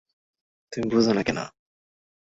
তুমি বুঝোনা কেন?